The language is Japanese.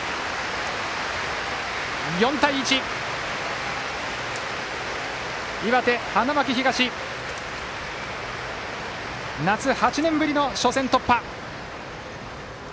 ４対１、岩手・花巻東夏８年ぶりの初戦突破！